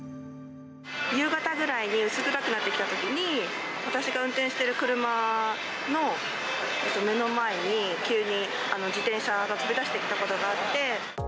夕方ぐらいに薄暗くなってきたときに、私が運転してる車の目の前に急に自転車が飛び出してきたことがあって。